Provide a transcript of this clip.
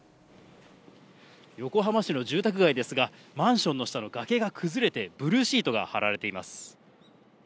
横浜市の住宅街ですが、マンションの下の崖が崩れて、ブルーシートが張られています。